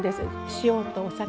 塩とお酒と。